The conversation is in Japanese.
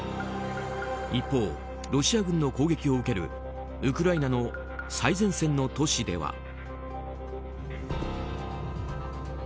一方、ロシア軍の攻撃を受けるウクライナの最前線の都市では。